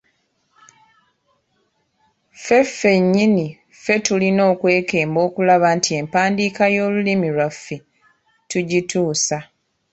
Ffe ffennyini ffe tulina okwekemba okulaba nti empandiika y’olulimi lwaffe tugituusa.